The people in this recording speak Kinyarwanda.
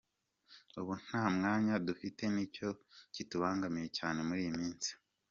Ubu nta mwanya dufite ni cyo kitubangamiye cyane muri iyi minsi.